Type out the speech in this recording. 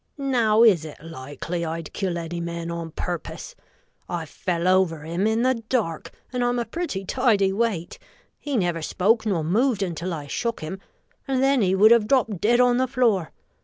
Now is it likely I'd kill any man on purpose? I fell over him in the dark; and I'm a pretty tidy weight. He never spoke nor moved until I shook him; and then he would have dropped dead on the floor.